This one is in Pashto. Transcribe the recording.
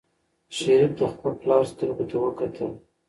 شریف د خپل پلار سترګو ته وکتل.